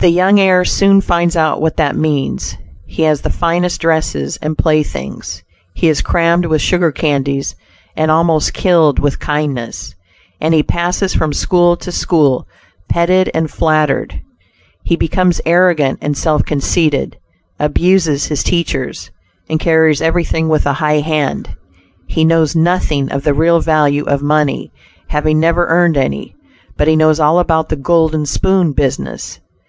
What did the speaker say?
The young heir soon finds out what that means; he has the finest dresses and playthings; he is crammed with sugar candies and almost "killed with kindness," and he passes from school to school, petted and flattered. He becomes arrogant and self conceited, abuses his teachers, and carries everything with a high hand. He knows nothing of the real value of money, having never earned any; but he knows all about the "golden spoon" business.